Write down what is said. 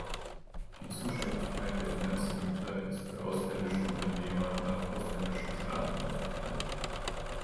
Die Zuständigkeit der Finanzämter ist für ausländische Unternehmer nach ausländischen Staaten aufgeteilt.